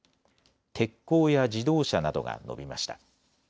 鉄鋼や自動車などが伸びました。